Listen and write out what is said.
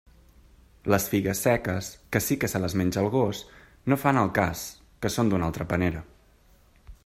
Les figues seques, que sí que se les menja el gos, no fan al cas, que són d'una altra panera.